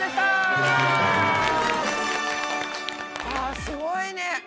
あすごいね。